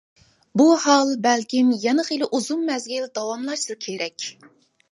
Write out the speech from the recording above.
بۇ ھال بەلكىم يەنە خىلى ئۇزۇن مەزگىل داۋاملاشسا كېرەك.